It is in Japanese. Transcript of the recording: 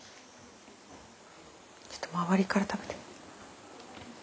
ちょっと周りから食べて。